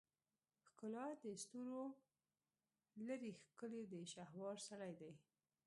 ښکلا دستورولري ښکلی دی شهوار سړی دی